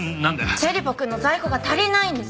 ちぇりポくんの在庫が足りないんです。